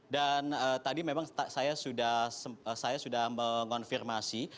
tadi memang saya sudah mengonfirmasi